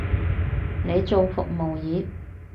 你做服務業？